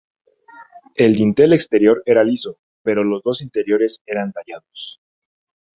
El dintel exterior era liso, pero los dos interiores eran tallados.